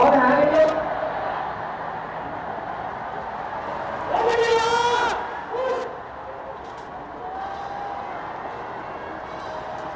สวัสดีครับสวัสดีครับสวัสดีครับสวัสดีครับ